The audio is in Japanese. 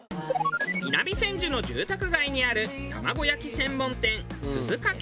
南千住の住宅街にある卵焼き専門店すずかけ。